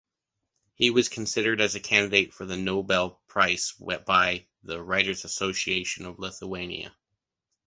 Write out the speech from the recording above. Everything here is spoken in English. He was considered as a candidate for the Nobel Price by the Writers’ Association of Lithuania.